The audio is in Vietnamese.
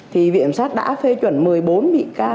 thì viện kiểm sát đã phê chuẩn một mươi bốn bị can